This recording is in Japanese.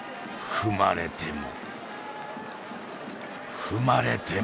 「ふまれてもふまれても」。